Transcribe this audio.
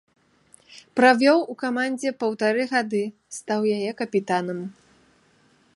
Правёў у камандзе паўтары гады, стаў яе капітанам.